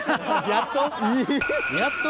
やっとか。